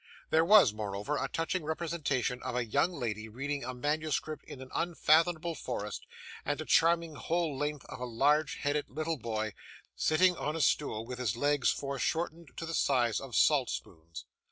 There was, moreover, a touching representation of a young lady reading a manuscript in an unfathomable forest, and a charming whole length of a large headed little boy, sitting on a stool with his legs fore shortened to the size of salt spoons.